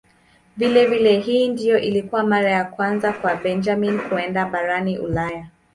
Vilevile hii ndiyo ilikuwa mara ya kwanza kwa Benjamin kwenda barani Ulaya.